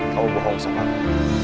kau bohong sama aku